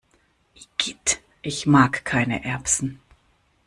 Igitt, ich mag keine Erbsen!